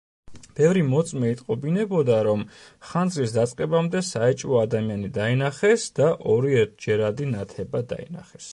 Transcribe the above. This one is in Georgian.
ბევრი მოწმე იტყობინებოდა, რომ ხანძრის დაწყებამდე საეჭვო ადამიანი დაინახეს და ორი ერთჯერადი ნათება დაინახეს.